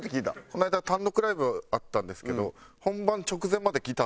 この間単独ライブあったんですけど